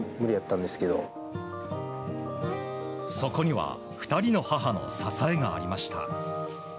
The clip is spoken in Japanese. そこには２人の母の支えがありました。